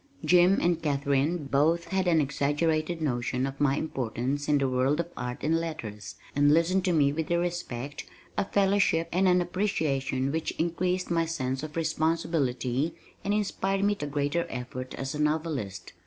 Jim and Katharine both had an exaggerated notion of my importance in the world of art and letters, and listened to me with a respect, a fellowship and an appreciation which increased my sense of responsibility and inspired me to greater effort as a novelist.